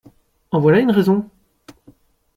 En voilà une raison !